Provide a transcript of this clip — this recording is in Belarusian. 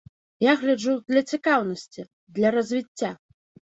Я гляджу для цікаўнасці, для развіцця.